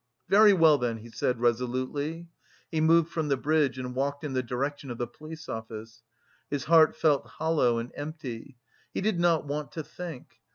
"Very well then!" he said resolutely; he moved from the bridge and walked in the direction of the police office. His heart felt hollow and empty. He did not want to think.